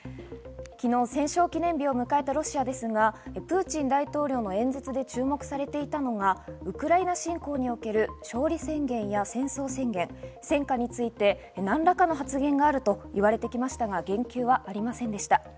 昨日、戦勝記念日を迎えたロシアですが、プーチン大統領の演説で注目されていたのが、ウクライナ侵攻における勝利宣言や戦争宣言、戦果について何らかの発言があると言われてきましたが、言及はありませんでした。